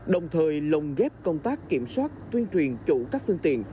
đồng thời lồng ghép công tác kiểm soát tuyên truyền chủ các phương tiện